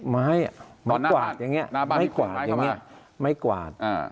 ไม้ไม้กวาดอย่างเนี้ยไม้กวาด